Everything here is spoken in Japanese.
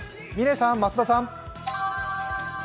嶺さん、増田さん。